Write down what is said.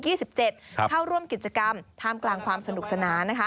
เข้าร่วมกิจกรรมท่ามกลางความสนุกสนานนะคะ